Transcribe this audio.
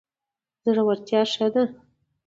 زړورتیا ښه ده.